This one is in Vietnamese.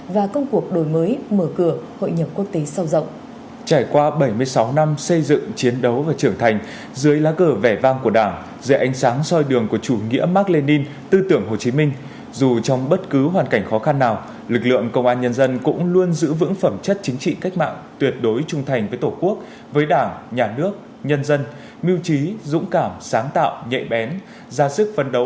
và bây giờ mời quý vị hãy cùng ôn lại truyền thống vẻ vang của lực lượng công an nhân dân qua những hình ảnh ngay sau đây